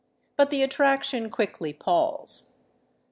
But the attraction quickly palls.